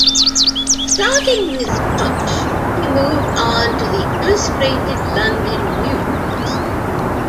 Starting with "Punch", he moved on to the "Illustrated London News".